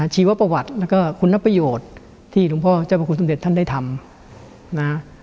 ชีวประวัติและคุณนับประโยชน์ที่ลุงพ่อเจ้าพระคุณสำเด็จท่านได้ทำ